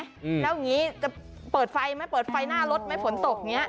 แล้วอย่างี้จะเปิดไฟไหมไฟหน้ารถไหมฝนตก